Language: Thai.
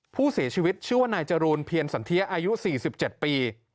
ผู้เสียชีวิตชื่อว่านายจรูนเพียรสันเทียอายุ๔๗ปี